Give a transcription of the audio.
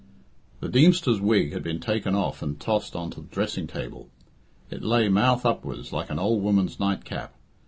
The Deemster's wig had been taken off and tossed on to the dressing table. It lay mouth upwards like any old woman's night cap.